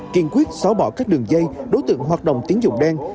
kiên quyết xóa bỏ các đường dây đối tượng hoạt động tín dụng đen